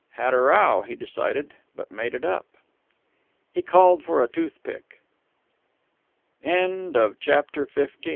"Had a row," he decided, "but made it up." He called for a toothpick. CHAPTER XVI MR.